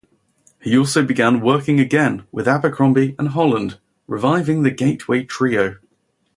He also began working again with Abercrombie and Holland, reviving the Gateway trio.